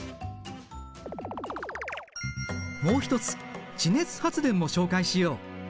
もう一つ地熱発電も紹介しよう。